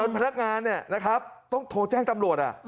เออต้นพนักงานนะครับต้องโทรแจ้งตำรวจ